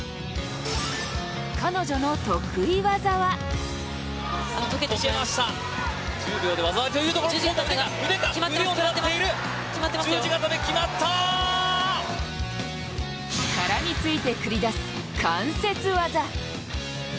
彼女の得意技は絡みついて繰り出す関節技。